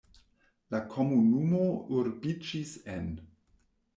La komunumo urbiĝis en.